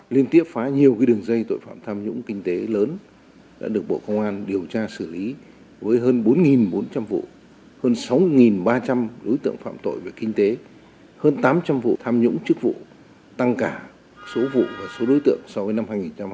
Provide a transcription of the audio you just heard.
liên tiếp phá nhiều đường dây tội phạm tham nhũng kinh tế lớn đã được bộ công an điều tra xử lý với hơn bốn bốn trăm linh vụ hơn sáu ba trăm linh đối tượng phạm tội về kinh tế hơn tám trăm linh vụ tham nhũng chức vụ tăng cả số vụ và số đối tượng so với năm hai nghìn hai mươi ba